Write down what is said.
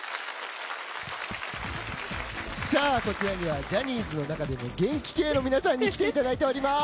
こちらにはジャニーズの中でも元気系の皆さんに来ていただいております。